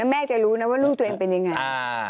แม่จะรู้นะว่าลูกตัวเองเป็นยังไง